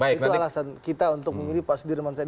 itu alasan kita untuk memilih pak sudirman said